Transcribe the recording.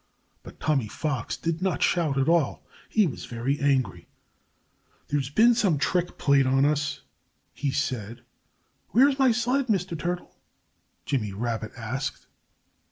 But Tommy Fox did not shout at all. He was very angry. "There's been some trick played on us," he said. "Where's my sled, Mr. Turtle?" Jimmy Rabbit asked.